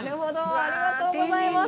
ありがとうございます。